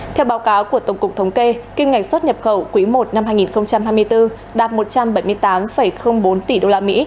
theo báo cáo của tổng cục thống kê kim ngạch xuất nhập khẩu quý i năm hai nghìn hai mươi bốn đạt một trăm bảy mươi tám bốn tỷ usd